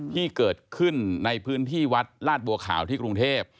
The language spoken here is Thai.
ที่เกิดขึ้นในพื้นที่วัดลาดบัวขาวที่กรุงเทพ